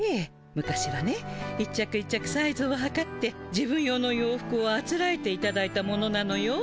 昔はね一着一着サイズをはかって自分用の洋服をあつらえていただいたものなのよ。